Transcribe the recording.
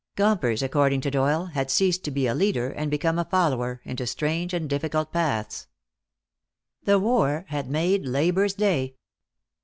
Gompers, according to Doyle, had ceased to be a leader and become a follower, into strange and difficult paths. The war had made labor's day.